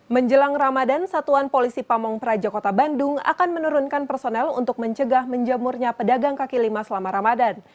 menjelang ramadan satuan polisi pamung praja kota bandung akan menurunkan personel untuk mencegah menjemurnya pedagang kaki lima selama ramadan